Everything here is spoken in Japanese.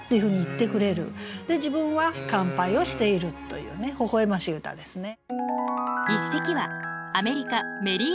自分は乾杯をしているというねほほ笑ましい歌ですね。